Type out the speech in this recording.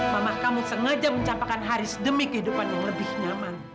mamah kamu sengaja mencapai haris demi kehidupan yang lebih nyaman